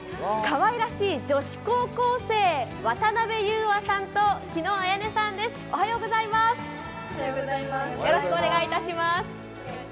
かわいらしい女子高校生、渡邉結愛さんと日野綺音さんです、おはようございます。